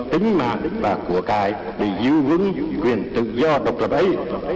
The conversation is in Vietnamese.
tính mạng và của cài để giữ vững quyền tự do độc lập ấy